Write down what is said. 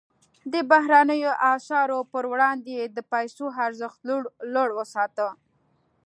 د بهرنیو اسعارو پر وړاندې یې د پیسو ارزښت لوړ وساته.